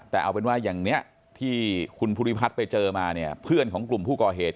แต่เอาเป็นว่าอย่างนี้ที่คุณภูริพัฒน์ไปเจอมาเนี่ยเพื่อนของกลุ่มผู้ก่อเหตุ